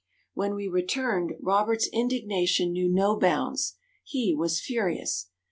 When we returned Robert's indignation knew no bounds; he was furious.